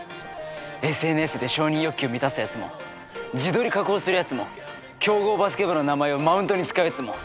ＳＮＳで承認欲求を満たすやつも自撮り加工するやつも強豪バスケ部の名前をマウントに使うやつも。